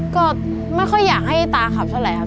ก็ไม่ค่อยอยากให้ตาขับเท่าไหร่ครับ